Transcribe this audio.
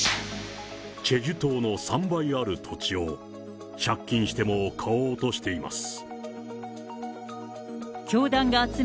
チェジュ島の３倍ある土地を、借金しても買おうとしています。